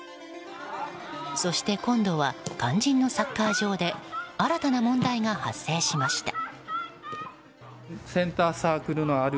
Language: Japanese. そして今度は肝心のサッカー場で新たな問題が発生しました。